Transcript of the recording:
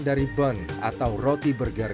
di luar dari bun atau roti burger